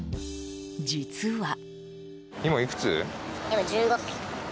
実は。